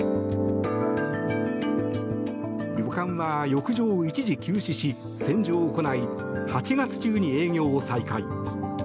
旅館は浴場を一時休止し洗浄を行い８月中に営業を再開。